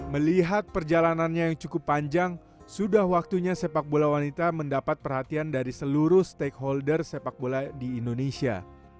melihat perjalanannya yang cukup panjang sudah waktunya sepak bola wanita mendapat perhatian dari seluruh stakeholder sepak bola di indonesia